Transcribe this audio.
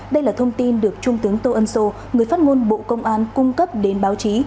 đây là thông tin được trung tướng tô ân sô người phát ngôn bộ công an cung cấp đến báo chí